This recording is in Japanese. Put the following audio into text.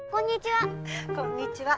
こんにちは。